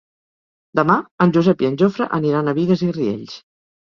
Demà en Josep i en Jofre aniran a Bigues i Riells.